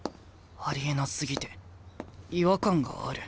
ありえなすぎて違和感がある。